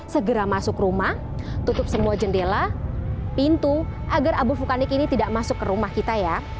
segera masuk rumah tutup semua jendela pintu agar abu vulkanik ini tidak masuk ke rumah kita ya